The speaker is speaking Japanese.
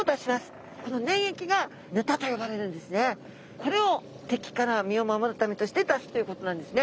これをてきから身をまもるためとして出すということなんですね。